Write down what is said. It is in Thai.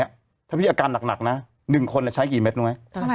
อาการหนักอย่างเงี้ยถ้าพี่อาการหนักหนักน่ะหนึ่งคนเนี้ยใช้กี่เมตรรู้ไหม